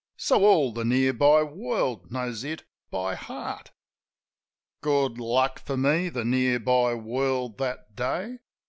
So all the near by world knows it by heart. Good luck for me, the near by world that day.